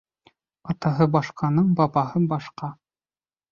Атаһы башҡаның бабаһы башҡа